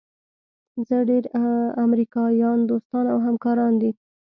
زما ډېر امریکایان دوستان او همکاران دي.